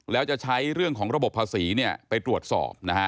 แล้วจะใช้เรื่องของระบบภาษีไปตรวจสอบนะฮะ